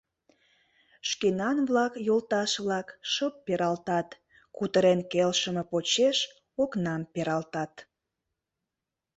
Шкенан-влак, йолташ-влак, шып пералтат, кутырен келшыме почеш окнам пералтат.